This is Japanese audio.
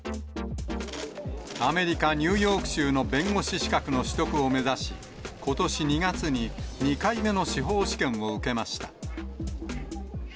アメリカ・ニューヨーク州の弁護士資格の取得を目指し、ことし２月に２回目の司法試験を受けました。